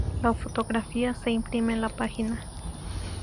La fotografía se imprime en la página.